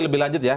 lebih lanjut ya